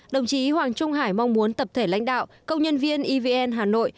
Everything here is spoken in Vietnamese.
đồng chí hoàng trung hải mong muốn tập thể lãnh đạo công nhân viên evn hà nội